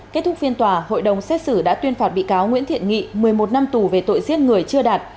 kết thúc phiên tòa hội đồng xét xử đã tuyên phạt bị cáo nguyễn thiện nghị một mươi một năm tù về tội giết người chưa đạt